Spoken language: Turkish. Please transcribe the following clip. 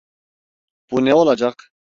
Bu ne olacak?